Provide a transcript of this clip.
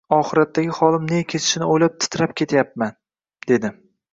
Oxiratdagi holim ne kechishini o‘ylab titrab ketayapman», dedi